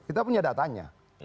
kita punya datanya